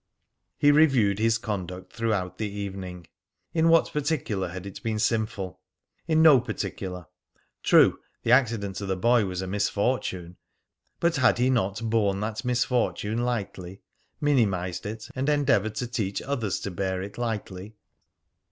He reviewed his conduct throughout the evening. In what particular had it been sinful? In no particular. True, the accident to the boy was a misfortune, but had he not borne that misfortune lightly, minimised it, and endeavoured to teach others to bear it lightly?